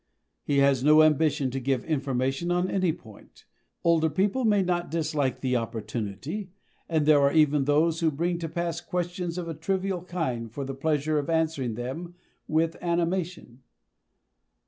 He has no ambition to give information on any point. Older people may not dislike the opportunity, and there are even those who bring to pass questions of a trivial kind for the pleasure of answering them with animation.